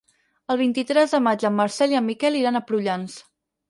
El vint-i-tres de maig en Marcel i en Miquel iran a Prullans.